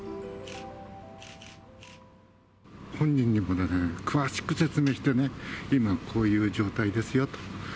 本人にも詳しく説明してね、今、こういう状態ですよと。